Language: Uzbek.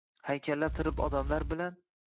Haykallar tirilib odamlar bilan